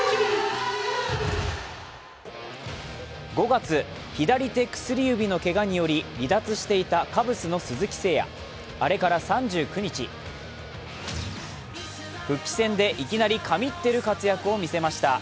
５月、左手薬指のけがにより離脱していたカブスの鈴木誠也、あれから３９日、復帰戦でいきなり神ってる活躍を見せました。